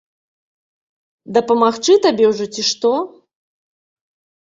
Дапамагчы табе ўжо, ці што?